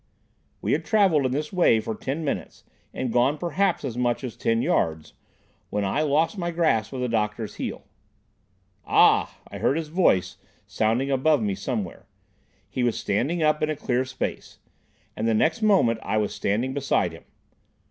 We had travelled in this way for ten minutes, and gone perhaps as much as ten yards, when I lost my grasp of the doctor's heel. "Ah!" I heard his voice, sounding above me somewhere. He was standing up in a clear space, and the next moment I was standing beside him.